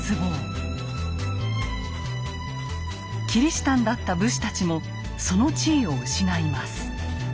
キリシタンだった武士たちもその地位を失います。